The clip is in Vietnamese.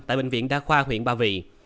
tại bệnh viện đa khoa huyện ba vị